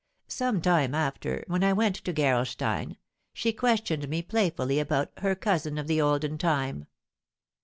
Some time after, when I went to Gerolstein, she questioned me playfully about 'her cousin of the olden time.'